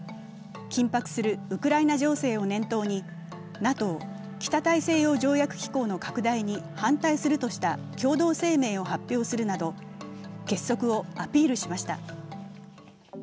緊迫するウクライナ情勢を念頭にＮＡＴＯ＝北大西洋条約機構の拡大に反対するとした共同声明を発表するなど結束をアピールしました。